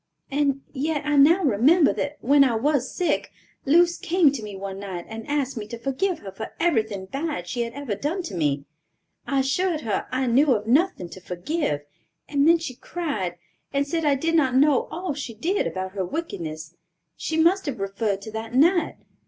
And yet I now remember that when I was sick, Luce came to me one night and asked me to forgive her for everything bad she had ever done to me. I assured her I knew of nothing to forgive; and then she cried, and said I did not know all she did about her wickedness. She must have referred to that night.